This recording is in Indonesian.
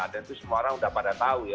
dan itu semua orang sudah pada tahu ya